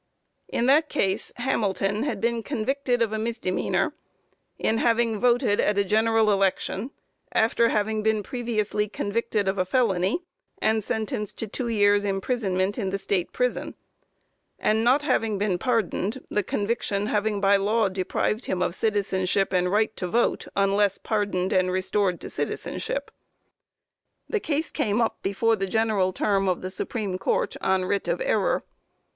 In that case Hamilton had been convicted of a misdemeanor, in having voted at a general election, after having been previously convicted of a felony and sentenced to two years imprisonment in the state prison, and not having been pardoned; the conviction having by law deprived him of citizenship and right to vote, unless pardoned and restored to citizenship. The case came up before the General Term of the Supreme Court, on writ of error.